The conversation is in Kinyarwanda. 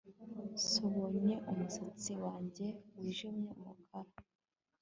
S Nabonye umusatsi wanjye wijimye umukara